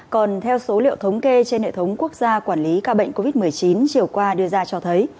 còn theo số liệu thống kê trên hệ thống quốc gia quản lý ca bệnh covid một mươi chín chiều qua đưa ra cho thấy